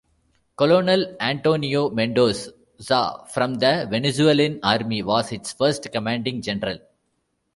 Colonel Antonio Mendoza from the Venezuelan Army was its first commanding general.